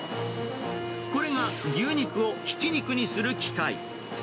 これが牛肉をひき肉にする機械。